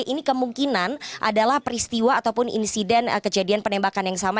ini kemungkinan adalah peristiwa ataupun insiden kejadian penembakan yang sama